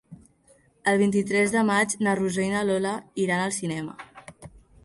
El vint-i-tres de maig na Rosó i na Lola iran al cinema.